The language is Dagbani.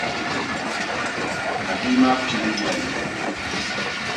Ka bia maa pili yila yilibu.